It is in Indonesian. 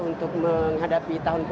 untuk menghadapi tahun ini